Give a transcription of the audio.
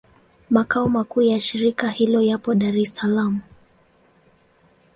Makao makuu ya shirika hilo yapo Dar es Salaam.